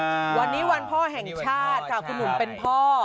วันนี้วันพ่อแห่งชาติค่ะคุณหนุ่มเป็นพ่อ